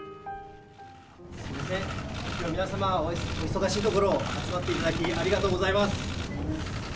すみません、きょうは皆様お忙しいところ集まっていただき、ありがとうございます。